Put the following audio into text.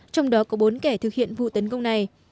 trong đó có bốn kẻ thực hiện vụ tấn công này